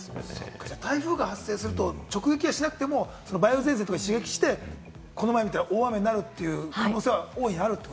台風が発生すると直撃はしなくても、梅雨前線を刺激して、この前みたいな大雨になるという可能性は大いにあると。